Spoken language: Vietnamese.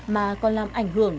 mà còn làm ảnh hưởng